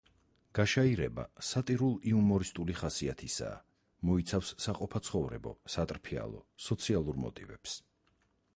გაშაირება სატირულ-იუმორისტული ხასიათისაა, მოიცავს საყოფაცხოვრებო, სატრფიალო, სოციალურ მოტივებს.